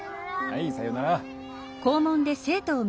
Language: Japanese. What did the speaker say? はいさようなら。